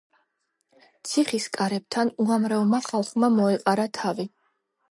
ციხის კარებთან უამრავმა ხალხმა მოეყარა თავი.